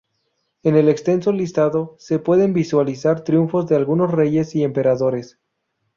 En el extenso listado, se pueden visualizar triunfos de algunos reyes y emperadores.